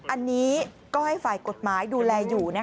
อันนี้ก็ให้ฝ่ายกฎหมายดูแลอยู่